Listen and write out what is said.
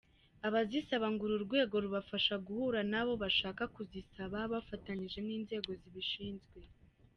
Abazisaba ngo uru rwego rubafasha guhura n’abo bashaka kuzisaba bafatanyije n’inzego zibishinzwe.